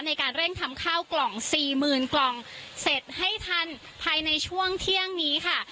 ในการเร่งทำข้าวกล่องสี่หมื่นกล่องเสร็จให้ทันภายในช่วงเที่ยงนี้ค่ะ